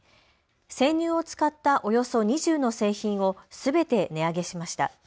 生乳を使ったおよそ２０の製品をすべて値上げしました。